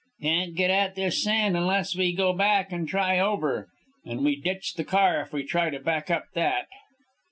"Can't get at this sand unless we go back and try over, and we ditch the car if we try to back up that."